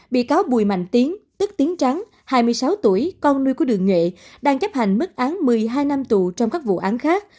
bị cáo bùi mạnh tiến tức tiến trắng hai mươi sáu tuổi con nuôi của đường nhuệ đang chấp hành mức án một mươi hai năm tù trong các vụ án khác